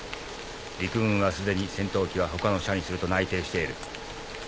陸軍はすでに戦闘機は他の社にすると内定している。